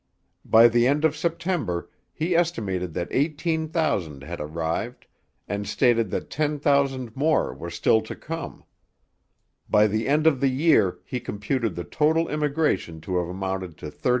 By the end of September he estimated that 18,000 had arrived, and stated that 10,000 more were still to come. By the end of the year he computed the total immigration to have amounted to 30,000.